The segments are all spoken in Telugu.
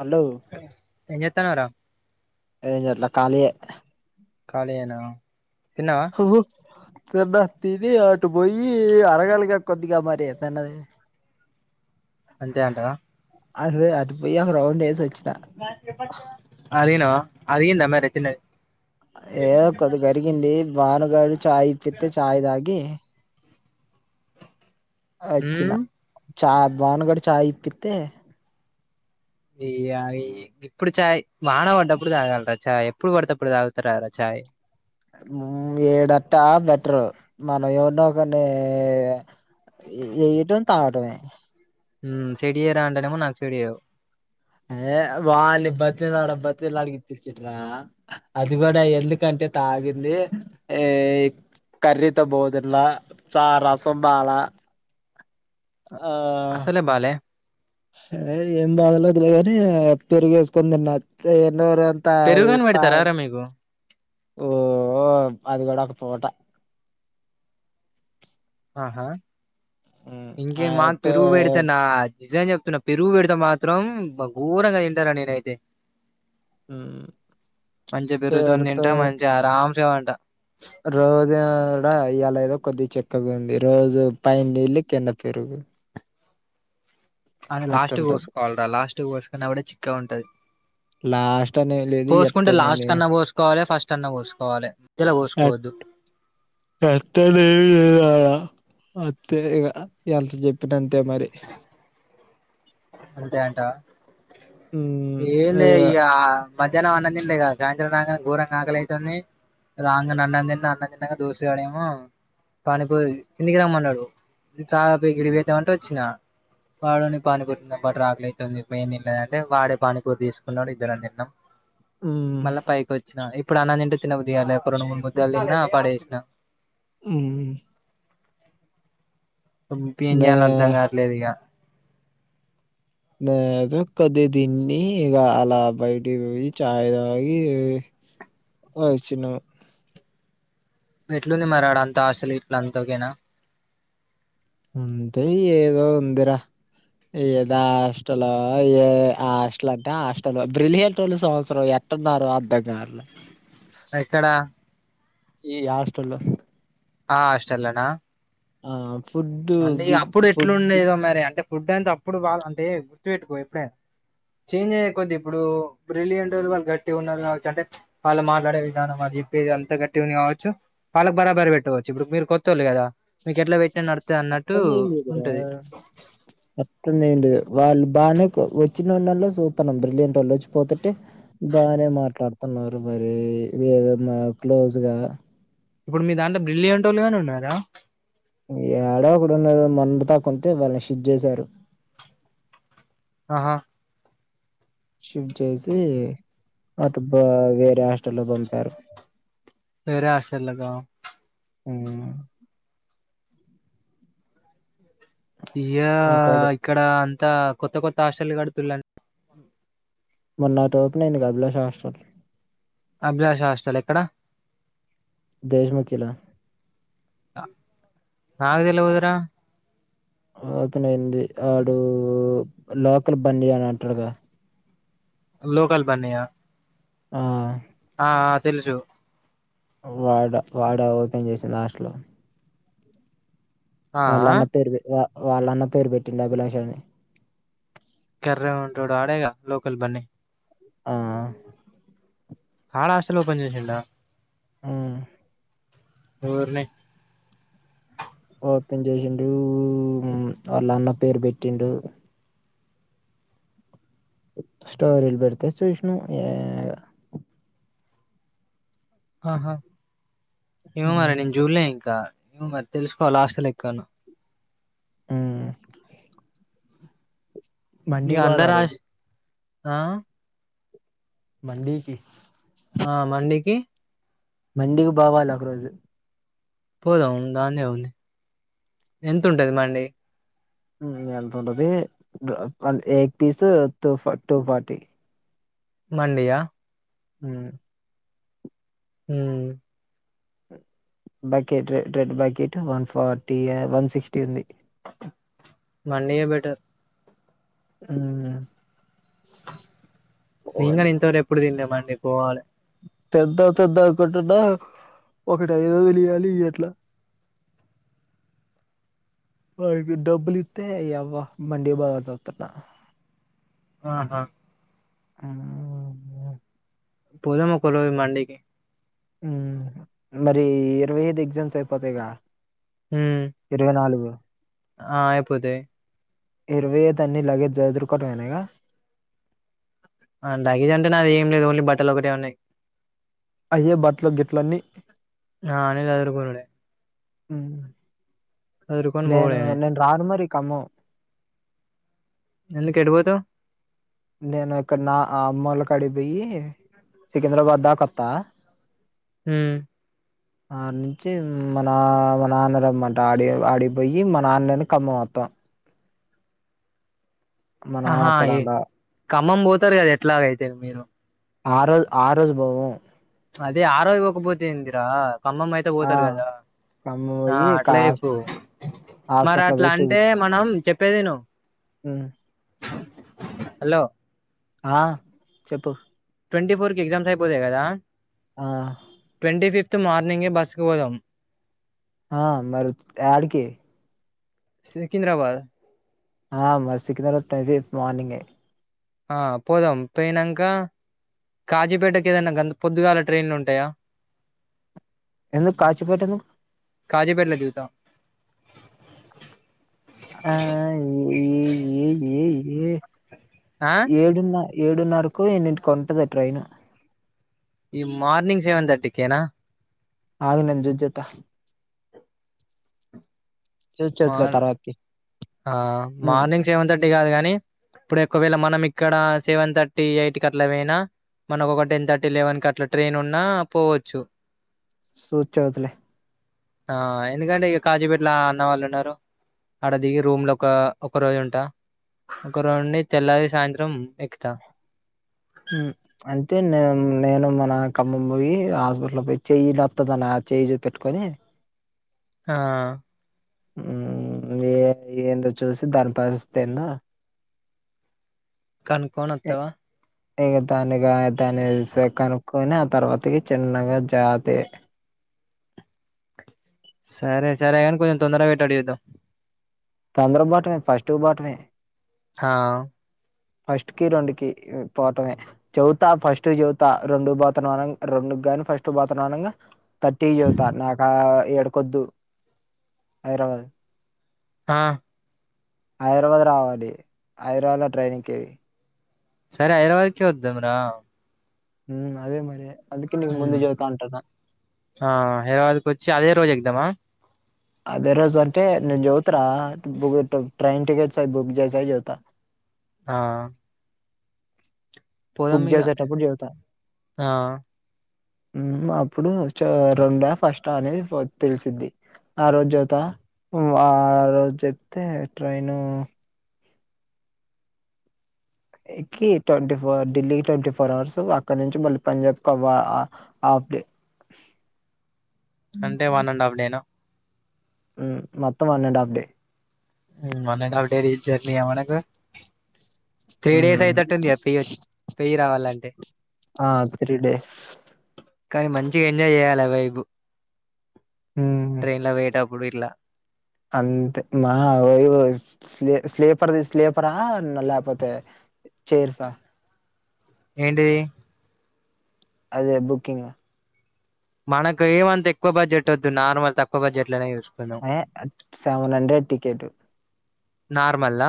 హలో ఏం చేత్తన్నారు ఏం చేయట్లా ఖాళీ యే ఖాళీ ఏ నా హో తి తిని అటు పోయి అరగాలిగా కొద్దిగా మరి తిన్నది అంతే అంటవా అరే అటుపోయి ఒక రౌండ్ వేసి వచ్చి అదనా అది ఇ మ రచన ఏదో కొది కరిగింది బానుగారు చాయ్ ఇప్పిత్తే చాయ్ తాగి వచ్చిన ఉమ్ చా బాను గాడు చాయ్ ఇప్పిత్తే ఈ అవి ఇప్పుడు చాయ్ వాన పడ్డప్పుడు తాగలరా చాయ్ ఎప్పుడు పడతే అప్పుడు తాగుతారా రా చాయ్ హ్మ్ ఈడట్టా బెటరు మనం ఎవర్నో ఒకర్ని ఇ ఇ ఇటోత్తే తాగటమే హ్మ్ చెడయే రా అంటనేమో నాకు చెడయవు ఏ వాలి బతిమిలాడి బతిమిలాడి ఇప్పిచింట్రా అది కూడా ఎందు కంటే అరే తాగింది ఏయ్ కర్రీ తో బాగా తిన్నా చా రసం బాలా ఆ అసలే బాలే అరే ఏం బాగా లేదులేగాని పెరుగు వేసుకోని తిన్నా అంతే ఇక నోరంతా అంతా పెరుగుగాని పాన్ పెడతారారా మీకు ఓ అది కూడా ఒక తోట ఆహా ఉమ్ ఆ ఇంకేమ్ మాకు పే పెరుగు పెడితన్నావా నిజం చెప్ చెప్తున్న పెరుగు పెడతే మాత్రం బ్బా ఘోరంగా తింటారా నేనైతే మ్ మంచి పెరుగుతోని పెడితే తింటాం మంచి ఆరాం సేవంట రోజు కూడా ఇయ్యాలా ఏదో కొద్ది చక్కగా ఉంది రోజు పైన నీళ్లు కింద పెరుగు [inaudible] అని లాస్ట్ అట్టుంటది పోసుకోవాలిరా లాస్ట్ పోసుకున్నప్పుడే చిక్కాగ ఉంటది లాస్ట్ అనేం లేదు పోసుకుంటే లాస్ట్ ఎట్టనేని కన్నా పోసుకోవాలి ఫస్ట్ అన్నా పోసుకోవాలి మధ్యలో అట్ పోసుకోవద్దు అంతేలే రా అంతే ఇగ ఎంత చెప్పినా అంతే మరి అంతే అంటావా ఏలే ఇగ మధ్యాహ్నం అన్నం తినలే గదా సాయంత్రం కాగానే ఘోరంగా ఆకలి అవుతుంది రాంగనే అన్నం తిన్న అన్నమ్ తిన్నంగా దోస్త్ గాడేమో పానీపూరి కిందికి రమ్మన్నాడు ఇట్రా ఈడికిపోయొద్దామంటే వచ్చినా వాడు పానీపూరి ని పట్టురా ఆకలైతుంది ఇప్పుడు ఏం తినలేదంటే వాడే పానీపూరు తీసుకున్నాడు ఇద్దరు తిన్నాం ఉమ్ మళ్ళా పైకి వచ్చినా ఇప్పుడు అన్నం తింటే తినబుద్ధి కాలే ఒక రెండు మూడు ముద్దలు తిన్నా ఆ పాడేసిన హ్మ్ ఇంకేం దే చేయాల్న అర్థమ్ కావట్లేదు ఇక నేను కొద్దిగా తిన్ని ఇగ అలా బయటకి పోయి చాయ్ తాగి వచ్చినాం ఎట్లుంది మరి ఆడంత హాస్టల్ ఇట్ల అంతా ఓకే నా అంతే ఏదో ఉందిరా ఏదా హాస్టల్ ఏ ఆ హాస్టల్ అంటే హాస్టల్ బ్రిలియంటోళ్లు సంవత్సరం ఎట్లున్నారు అర్థం కావట్లా? ఎక్కడ ఈ హస్టల్లో ఆ హాస్టల్లో నా ఆ ఫుడ్ అంటే గిడ్ అప్పుడు ఫుడ్ ఎట్లుండేదో మరి అంటే ఫుడ్ అంత అప్పుడు బాగా అంటే గుర్తుపెట్టుకో ఎప్పుడైనా చేంజ్ అయ్యే కొద్ది ఇప్పుడు బ్రిలియంట్ వాళ్ళు గట్టిగా ఉన్నారు కాబట్టి అంటే వాళ్ళు మాట్లాడే విధానం అది ఫీజు అంత కట్టిండవచ్చు. వాళ్ళు బరాబర్ పెట్టవచ్చు. ఇప్పుడు మీరు కొత్తోళ్లు కదా మీకు ఎట్లా పెట్టినా నడుత్తుంది. అట్లుందేందిరా బ్రో వస్తుందేంది వాళ్ళు బాగానే వచ్చినోళ్ళు అందరూ చూత్తాం అంటారు. నీలాంటి వాళ్లు వచ్చి పోతుంటే బాగానే మాట్లాడుతారు. మరి ఏదన్నా క్లోజ్ కదా ఇప్పుడు మీ దాంట్లో బ్రిలియంటోళ్లు గాని ఉన్నారా? యాడో ఒకడున్నాడు మొన్నటిదాకా ఉంటే ఇవాళ షిఫ్ట్ చేశారు. ఆహా షిఫ్ట్ చేసి అటు వేరే హాస్టల్లో పంపారు. వేరే హాస్టల్లో కా మ్ ఇయా ఒకడు ఇక్కడ అంతా కొత్త కొత్త హాస్టల్ కడుతున్నారు. మొన్న ఒకటి ఓపెన్ అయింది గా అభిలాష్ హాస్టల్. అభిలాష్ హాస్టల్ ఎక్కడ? దేశ్ ముఖిలో నాకు తెలవదు రా ఓపెన్ అయింది. వాడు లోకల్ బన్ని అంటాడుగా లోకల్ బన్నియా? ఆ ఆ తెలుసు వాడా, వాడా ఓపెన్ చేశాడు హాస్టల్. ఆ ఆ వాళ్ళన్న పేరు పెట్టిండు అభిలాష్ అని కర్రి గా ఉంటాడు ఆడేగా లోకల్ బన్ని. మ్ ఆడ హాస్టల్లో ఓపెన్ చేసిండా? మ్ ఎవర్ని ఓపన్ చేసిండు వాళ్ళ అన్న పేరు పెట్టిండు. స్టోరీలు పెడితే చూసిన యా ఆహా, ఏమో మరి మ్ నేను చూడలే ఇంకా నువ్వు మరి తెలుసుకోవాలా హాస్టల్ ఎక్కన్నో మ్ మండి ఇగ కి పోవాల అందరు ఆ హాస్ రోజు ఆ మండి కి ఆ మండికి మండికి పోవాల ఒక రోజు పోదాం. దాందేముంది ఎంత ఉంటుంది మండి. ఎంత ఉంటది ఎయిట్ పీస్ టూ ఫార్టీ. మండియా ఆ హమ్ bucket red bucket one forty ఆ వన్ సిక్స్టీ ఉంది మండియే బెటర్ హమ్ నేను కూడా ఇంతవరకు ఎప్పుడు తినలే మండి పోవాలే తెద్దం తెద్దం అనుకుంటున్న ఒకడు ఐదు వందలు ఇయ్యాలి ఇయట్ల వాడు డబ్బులు ఇత్తే నీఆవ్వ మాండి కి పోదామని చుత్తన ఆహా మ్ పోదాం ఒక రోజు మండి కి మ్ మరి ఇరవై ఐదు ఎగ్జామ్స్ అయిపోతాయిగా ఉమ్ ఇరవై నాలుగు ఆ అయిపోతయి ఇరవై ఐదు అన్ని లగేజ్ చదురుకోవటమేన ఇగ లగేజ్ అంటే నాది ఏం లేదు ఓన్లీ బట్టలు ఒక్కటే ఉన్నాయి అయ్యే బట్లో గిట్లో అన్ని ఆ అన్ని చదురుకునుడే మ్ హు సదురుకొని నేను పోవుడేనే నేను రాను మరి ఖమ్మం ఎందుకు ఎటు పోతవ్ నేను ఇక్కడ నా అమ్మొల్ల కాడి పోయి సికింద్రాబాద్ దాక వత్త మ్ ఆడి నుంచి మ నా మా నాన్న రమ్మంట ఆడి ఆడిపోయి మా నాన్న నేను ఖమ్మం వత్త త మా నాన్న ఆహా ఏ- వత్తడంట ఖమ్మం పోతరు కదా ఎట్లాగైతే మీరు ఆ రోజు ఆ రోజు పోము అదే ఆ రోజు పొకపోతే ఏందిరా ఖమ్మం అయితే ఆ పోతారు కదా ఖమ్మం ఆ పోయి కా అట్లా చెప్పు మరి హాస్పిటల్ అట్లా అంటే మనం చెప్పేది ఇను మ్ హలో ఆ చెప్పు ట్వంటీ ఫోర్ కి ఎగ్జామ్స్ అయిపోతాయి కదా ఆ ట్వంటీ ఫిఫ్త్ మార్నింగే బస్ కి పోదాం ఆ మరిప్పుడాడికి సికింద్రాబాద్ ఆ మరి సికింద్రాబాద్ కైతే మార్నింగే ఆ పోదాం పోయినాంక కాజీపేటకి ఏదన్నా గంత పొద్దుగాల ట్రైన్లు ఉంటయా ఎందుకి కాచిపేటను కాజీపేటలో దిగుతాం ఆ ఏ ఏ ఏ ఏ ఆ ఏడున్న ఏడున్నరకో ఎన్నింటికో ఉంటది ట్రైన్ ఈ మార్నింగ్ సెవెన్ తర్టీకేనా ఆగు నేను చూసి చెబుతా చెప్తాలే మార్ తర్వాతకి ఆ ఉమ్ మార్నింగ్ సెవెన్ థర్టీ కాదు కాన్ నే ఇప్పుడు ఎక్కువేళ మనం ఇక్కడ సెవెన్ థర్టీ ఎయిట్ కి అట్లా పోయినా మనకు ఒక టెన్ థర్టీ లెవెన్ కి అట్లా ట్రైన్ ఉన్నా పోవచ్చు సూ చౌతులే ఆ ఎందుకంటే ఇగ కాజీపేటల అన్నవాళ్ళు న్నారు ఆడ దిగి రూమ్ లో ఒక ఒక రోజు ఉంటా ఒక రోజు ఉండి తెల్లాలి సాయంత్రం ఎక్కుతా ఉమ్ అంటే నే నేను మన కమ్మం పోయి హాస్పిటల్ పో చెయ్యి నత్తదన చేయి చూపెట్టుకొని ఆ ఉమ్ ఏ ఏందో చూసి దాని పరిస్థితిదేందో కనుకొని వత్తవా ఇక దానిగా దాని సే కనుక్కకోని ఆ తర్వాతకి చిన్నగా జాతి సరే సరే కానీ కొంచం తొందరాగ పెట్టేలా చూద్దాం తొందర బోటమే ఫస్ట్ బాటమే హా ఫస్ట్ కి రెండు కి పోటమే చవితా ఫస్ట్ చవితా రెండు పోతాన్నా రెండు గాని ఫస్ట్ పోతనిగా థర్టీ చదుతా నాకా ఏడకొద్దు హైదరాబాద్ ఆ హైదరాబాద్ రావాలి హైదరావాద్ లో ట్రైన్ ఎక్కేయి సరే హైదరాబాద్ కే వద్దాం రా ఉమ్ అదే మరి అందుకే నువ్వు ముందు ఉమ్ జవితా అంటానా ఆ హైదరాబాద్కి వచ్చి అదే రోజు ఎక్కుదామా అదే రోజు అంటే నేన్ చోపుత రా [unintelligible] ట్రైన్ టికెట్స్యి బుక్ చేసా అని చోపుత ఆ పోదాం బుక్ ఇగ చేసేటప్పుడు చోపుత ఆ ఉమ్ అప్పుడు చ రెండా ఫస్ట్ అనేది ప తెలిసింది ఆ రోజు చోపుత ఉమ్ ఆ రోజు చెప్తే ట్రైను ఎక్కి twenty four Delhi twenty four hours అక్కడ నుంచి మళ్ళీ పంజాబ్ వ అంతే అంటే వన్ అండ్ హాఫ్ డే నా ఉమ్ మొత్తం one and half day one and half day journey మనకు త్రీ డేస్ హ్మ్. అయితట్టు ఉందిగా పోయ్ పోయి రావాలంటే ఆ త్రీ డేస్ కానీ మంచిగా ఎంజాయ్ చేయ్యాల వెబ్ హ్మ్. ట్రెయిన్ లో పోయేటప్పుడు ఇట్ల అంతే మా ఓహ్ స్లీ స్లీపర్ది స్లీపరా లేకపోతే చేరుసా ఏంటి అదే బుకింగ్ మనకేం అంత ఎక్కువ బడ్జెట్ వద్దు నార్మల్ తక్కువ బడ్జెట్ లోనే చూస్ ఏ సెవెన్ హండ్రెడ్ టికేటు నార్మల్ దా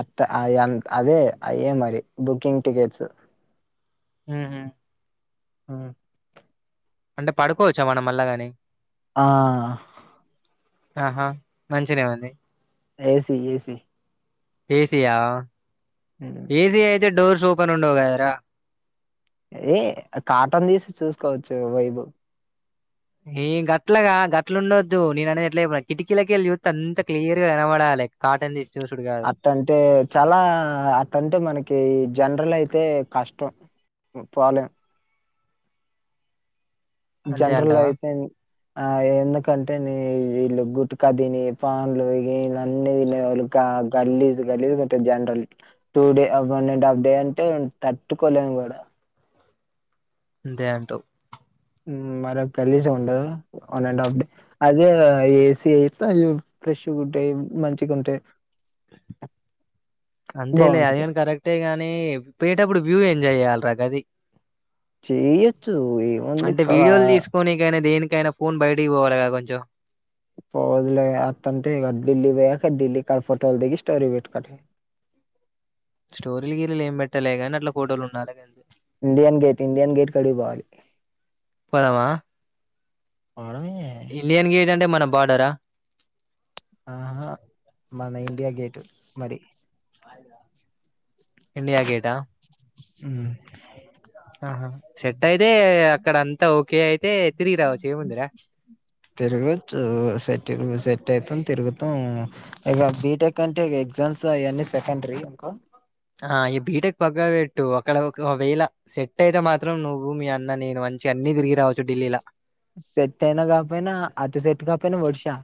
అట్ట అంత అదే అయే మరి బుకింగ్ టికెట్స్ ముహు ఆ అంటే పడుకోవచ్చా మనం మళ్ళగానీ ఆ ఆహా మంచినే ఉంది ఏసి ఏసి ఏసి ఆ హ్మ్. ఏసి అయితే డోర్స్ ఓపెన్ ఉండవు కదరా ఏ కాటన్ తీసి చూసుకోవచ్చు వైబు ఏ గట్లగాదు గట్లుండద్దు నేననేది ఎట్ల కిటికీలకెళ్ళి చూస్తే అంత క్లియర్ గా కనబడాల్ లైక్ కాటన్ చూసుడు కాదు అట్టంటే చాలా అట్టంటే మనకి జనరల్ అయితే అయితే కష్టం పోలెం అంతే జనరల్ లో అంటావా అయితేనే ఆ ఎందుకంటే నీ వీళ్ళు గుట్కా తిని పాన్లు గీన్లు అన్ని తినేది వాళ్ళు గలీజ్ గలీజ్ ఉంటాయ్ general two day one and half day అంటే తట్టుకోలేము కూడా అ అంతే అంటావ్ మరొ గలీజ్ ఉండదు వన్ అండ్ ఆఫ్ డే అదే ఏసి అయితే షూట్ వైబ్ మంచిగుంటే అంతేలే బావుంటది. అదిగాని కరెక్టే గాని పోయేటప్పుడు వ్యూ ఎంజాయ్ చెయాల ప్రగది చేయొచ్చు ఏముంది అంటే కా వీడియోలు తీసుకోనికైనా దేనికి గయినా ఫోన్ బయటకి పోవాల గదా కొంచెం పో వదిలే అట్టటాంటే ఇగ ఢిల్లీ కి పోయాక ఢిల్లీ కాడ ఫోటోలు దిగి స్టోరీ పెట్టుకో అట్టా స్టోరీలు గీరిలు ఏం పెట్టాలె గాని అట్లా ఫోటోలు ఉండాల కదా ఇండియన్ గేట్ ఇండియన్ గేట్ కాడికి పో ఆడికి పోదమా పొడమే ఇండియన్ గేట్ అంటే మన బార్డరా ఆహా మన ఇండియా గేట్ మరి ఇండియా గేటా ము ఆహా సెట్ అయితే అక్కడ అంతా ఓకే అయితే తిరిగి రావచ్చు ఏముందిరా తిరగచ్చు సెట్ సె సెట్ అయితే తిరుగుతాం ఇక బీటెక్ అంటే ఎగ్జామ్స్ అవన్నీ సెకండరీ ఇంకా ఆ ఈ బీటెక్ పక్కకు పెట్టు అక్కడ ఒకవేళ సెట్ అయితే మాత్రం నువ్వు మీ అన్న నేను మంచి అన్ని అన్ని తిరిగి రావచ్చు ఢిల్లీలా సెట్ అయినా కాకపోయినా అతి సెట్ కాకపోయినా వడిషా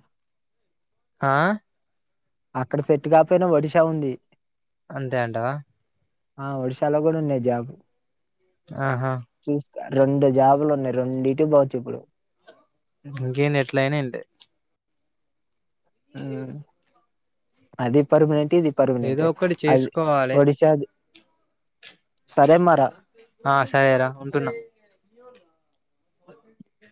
ఆ అక్కడ సెట్ కాపోయినా ఒడిషా ఉంది అంతే అంటావా ఆ ఒడిశాలో కూడా ఉన్నాయ్ జాబు ఆహా రెండు జాబులు ఉన్నాయి రెండిటి పోవచ్చు ఇప్పుడు ఇంకేంది ఎట్లయినా ఏంటే ఉమ్ అది పర్మినెంట్ ఇది ఏదో పర్మినెంట్ ఒకటి అది చేసుకోవాలి ఒడిశాది సరే మరా ఆ సరేరా ఉంటున్నా ఓకే [inaudible]